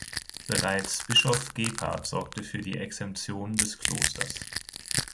Bereits Bischof Gebhard sorgte für die Exemtion des Klosters.